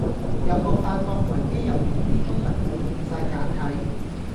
有無發覺維基入面啲中文字變哂簡體?